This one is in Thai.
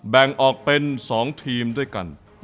แบ่งออกเป็น๒ทีมด้วยกัน